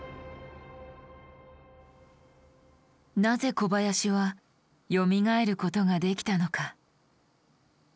なぜ小林はよみがえることができたのか。